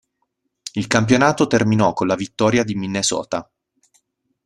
Il campionato terminò con la vittoria di Minnesota.